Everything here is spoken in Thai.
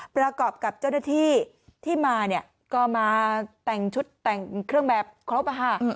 ประกอบกับเจ้าหน้าที่ที่มาเนี่ยก็มาแต่งชุดแต่งเครื่องแบบครบ